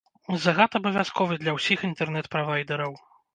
Загад абавязковы для ўсіх інтэрнэт-правайдэраў.